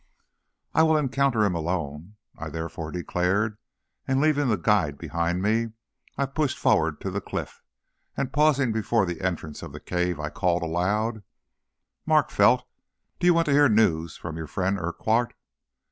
"I will encounter him alone," I thereupon declared; and leaving the guide behind me, I pushed forward to the cliff, and pausing before the entrance of the cave, I called aloud: "Mark Felt, do you want to hear news from your friend Urquhart?"